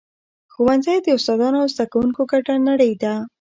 ښوونځی د استادانو او زده کوونکو ګډه نړۍ ده.